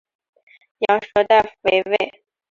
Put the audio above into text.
羊舌大夫为尉。